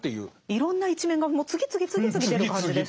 いろんな一面がもう次々次々出る感じでしたよね。